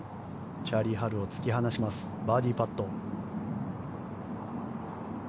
チャーリー・ハルを突き放しますバーディーパット。